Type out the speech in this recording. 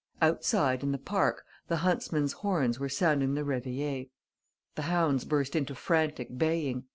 Outside, in the park, the huntsmen's horns were sounding the reveille. The hounds burst into frantic baying.